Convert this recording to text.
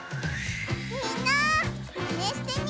みんなマネしてみてね！